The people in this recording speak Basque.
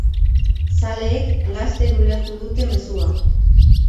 Zaleek laster ulertu dute mezua.